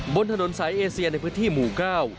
บนถนนสายเอเซียในพื้นที่หมู่เก้า